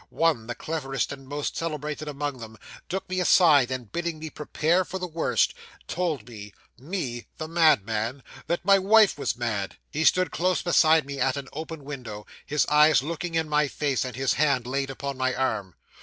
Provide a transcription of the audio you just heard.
One, the cleverest and most celebrated among them, took me aside, and bidding me prepare for the worst, told me me, the madman! that my wife was mad. He stood close beside me at an open window, his eyes looking in my face, and his hand laid upon my arm.